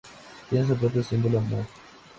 Tiene su propio símbolo Mu.